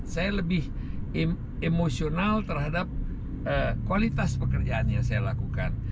saya lebih emosional terhadap kualitas pekerjaan yang saya lakukan